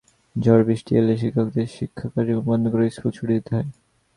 ঝড়-বৃষ্টি এলে শিক্ষকদের শিক্ষা কার্যক্রম বন্ধ করে স্কুল ছুটি দিতে হয়।